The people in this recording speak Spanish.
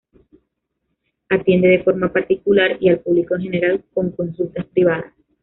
Atiende de forma particular y al público en general con consultas privadas.